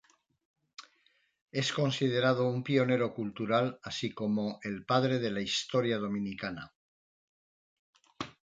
Es considerado un pionero cultural así como el "Padre de la Historia Dominicana".